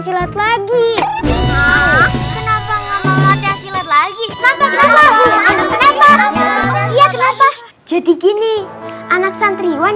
silet lagi kenapa enggak mau latihan silet lagi kenapa kenapa kenapa kenapa jadi gini anak santriwan